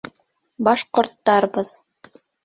Башҡорттарбыҙ.